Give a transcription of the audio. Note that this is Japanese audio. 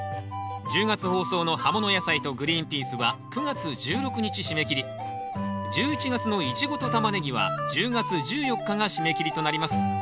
１０月放送の「葉もの野菜」と「グリーンピース」は９月１６日締め切り１１月の「イチゴ」と「タマネギ」は１０月１４日が締め切りとなります。